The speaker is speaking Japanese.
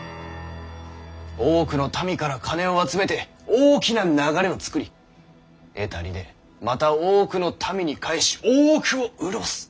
多くの民から金を集めて大きな流れを作り得た利でまた多くの民に返し多くを潤す。